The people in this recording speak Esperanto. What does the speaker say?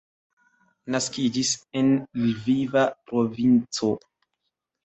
Naskiĝis en Lviva provinco.